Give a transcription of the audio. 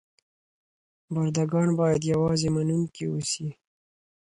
برده ګان باید یوازې منونکي اوسي.